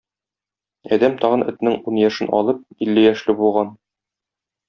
Адәм, тагын этнең ун яшен алып, илле яшьле булган.